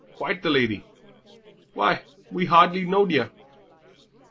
quite the lady. Why, we hardly knowed ye."